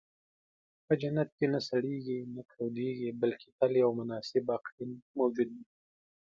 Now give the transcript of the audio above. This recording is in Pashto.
په جنت کې نه سړېږي، نه تودېږي، بلکې تل یو مناسب اقلیم موجود وي.